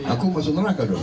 aku masuk neraka dong